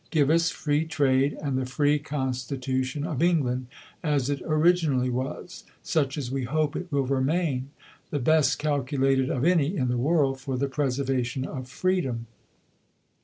'Give us free trade and the free Constitution of England as it originally was, such as we hope it will remain, the best calculated of any in the world for the preservation of freedom.'"